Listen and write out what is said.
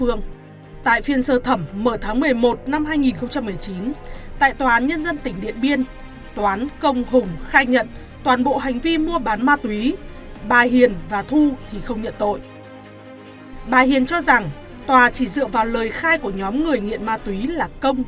ở phiên sơ thẩm diễn ra vào tháng một mươi một năm hai nghìn một mươi chín